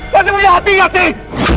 masih punya hati gak sih